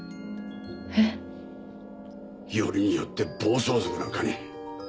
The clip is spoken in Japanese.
えっ？よりによって暴走族なんかに。